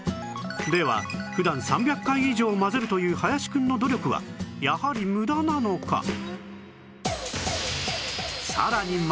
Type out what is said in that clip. では普段３００回以上混ぜるという林くんの努力はやはり無駄なのか？